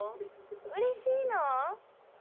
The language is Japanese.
うれしいの？